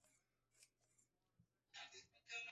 Rinda alilovaa ni nzuri sana